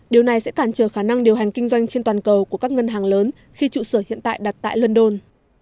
điều này sẽ cản trở khả năng điều hành kinh doanh trên toàn cầu của các ngân hàng lớn khi trụ sở hiện tại đặt tại london